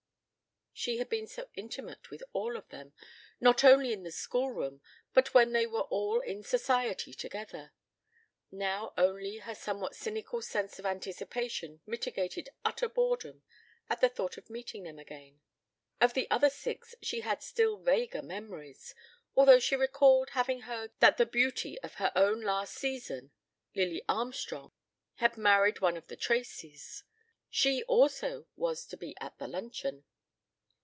She had been so intimate with all of them, not only in the schoolroom but when they were all in Society together. Now only her somewhat cynical sense of anticipation mitigated utter boredom at the thought of meeting them again. Of the other six she had still vaguer memories, although she recalled having heard that the beauty of her own last season, Lily Armstrong, had married one of the Tracys. She also was to be at the luncheon.